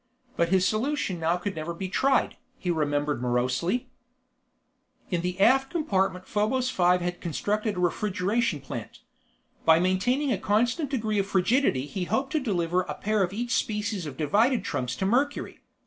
But his solution now could never be tried, he remembered morosely. In the aft compartment Probos Five had constructed a refrigeration plant. By maintaining a constant degree of frigidity he hoped to deliver a pair of each species of divided trunks to Mercury.